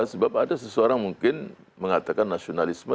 sebab ada seseorang mungkin mengatakan nasionalisme